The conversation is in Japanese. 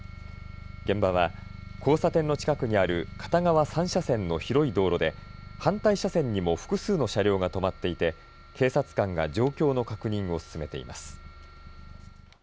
現場は交差点の近くにある片側３車線の広い道路で反対車線にも複数の車両が止まっいて警察官が状況の確認を進めています。